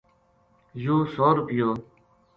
یوہ سو رُپیو